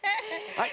はい。